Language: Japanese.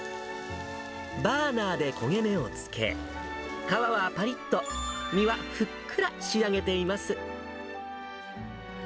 バーナーで焦げ目をつけ、皮はぱりっと、身はふっくら仕上げています。